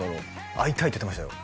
会いたいって言ってましたよ